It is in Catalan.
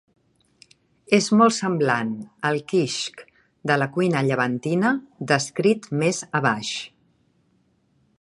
És molt semblant al "kishk" de la cuina llevantina descrit més abaix.